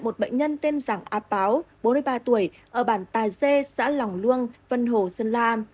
một bệnh nhân tên giảng áp báo bốn mươi ba tuổi ở bàn tài dê xã lòng luông vân hồ sơn la